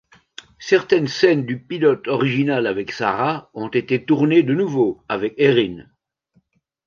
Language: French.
Certaines scènes du pilote original avec Sara ont été tournées de nouveau avec Erinn.